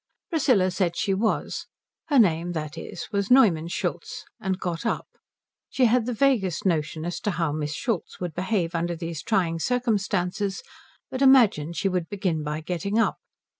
Priscilla said she was, her name, that is, was Neumann Schultz and got up. She had the vaguest notion as to how Miss Schultz would behave under these trying circumstances, but imagined she would begin by getting up.